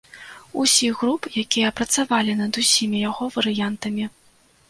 Усіх груп, якія працавалі над усімі яго варыянтамі.